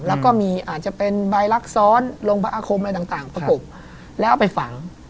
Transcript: แล้วก็มีอาจจะเป็นใบลักษรลงพระอาคมอะไรต่างประกบแล้วเอาไปฝัง